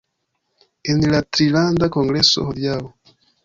En la Trilanda Kongreso hodiaŭ